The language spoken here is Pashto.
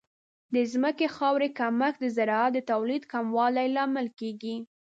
د ځمکې خاورې کمښت د زراعت د تولید کموالی لامل کیږي.